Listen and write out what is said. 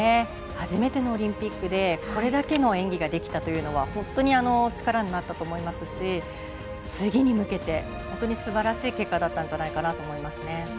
初めてのオリンピックでこれだけの演技ができたというのは本当に力になったと思いますし次に向けて本当にすばらしい結果だったんじゃないかなと思いますね。